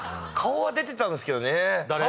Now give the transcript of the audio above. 顔は出てたんですけどね。